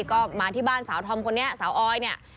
ก็มาที่บ้านสาวธอมคนนี้สาวออยเนี่ย